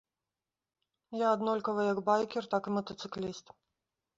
Я аднолькава як байкер, так і матацыкліст.